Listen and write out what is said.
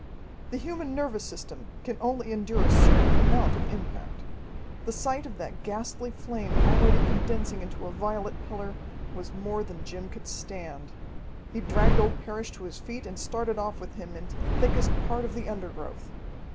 The human nervous system can only endure a certain amount of impact. The sight of that ghastly flame, already condensing into a violet pillar, was more than Jim could stand. He dragged old Parrish to his feet and started off with him into the thickest part of the undergrowth.